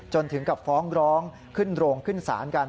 จนถึงกับฟ้องร้องขึ้นโรงขึ้นศาลกัน